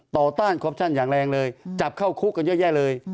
ต้านคอปชั่นอย่างแรงเลยจับเข้าคุกกันเยอะแยะเลย